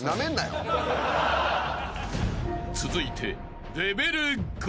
［続いて］